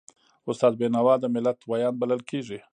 استاد بینوا د ملت ویاند بلل کېږي.